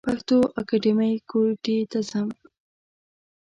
پښتو اکېډمۍ کوټي ته ځم.